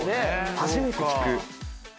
初めて聞く。